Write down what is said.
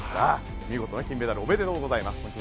見事な金メダルおめでとうございます。